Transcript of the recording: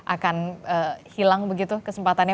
akan hilang begitu kesempatannya